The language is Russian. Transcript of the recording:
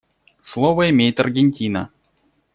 Слово имеет Аргентина.